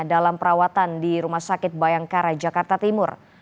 dalam perawatan di rumah sakit bayangkara jakarta timur